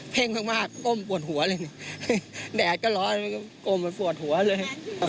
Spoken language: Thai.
เพ่งมากก้มปวดหัวเลยแดดก็ร้อนก้มปวดหัวเลย